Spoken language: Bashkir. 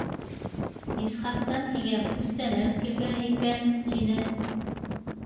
— Исхаҡтан һиңә күстәнәс килгән икән, — тине.